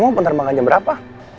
kamu mau bentar makan jam berapa